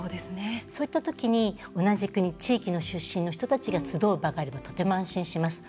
そういったときに、同じ国地域の出身の人が集う場があれば安心します。